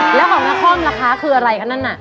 แล้วของนครล่ะคะคืออะไรคะนั่นน่ะ